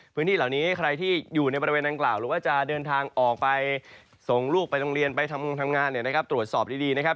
พื้นที่เหล่านี้ใครที่อยู่ในบริเวณดังกล่าวหรือว่าจะเดินทางออกไปส่งลูกไปโรงเรียนไปทำงงทำงานตรวจสอบดีนะครับ